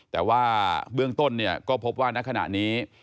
แต่ว่าเบื้องต้นก็พบว่านักขณะนี้